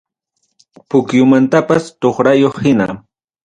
Puquiomantapas toqyariq hina.